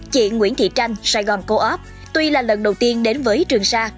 chị nguyễn thị tranh sài gòn co op tuy là lần đầu tiên đến với trường sa